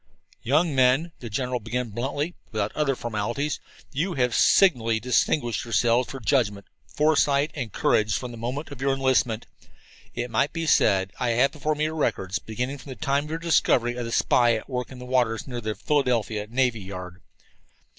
"Young men," the general began bluntly, without other formalities, "you have signally distinguished yourselves for judgment, foresight, and courage from the moment of your enlistment, it might be said. I have before me your records, beginning from the time of your discovery of the spy at work in the waters near the Philadelphia Navy Yard.